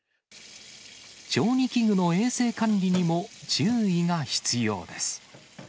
調理器具の衛生管理にも注意が必要です。